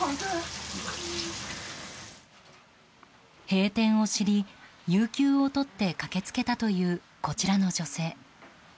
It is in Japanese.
閉店を知り有休を取って駆け付けたというこちらの女性。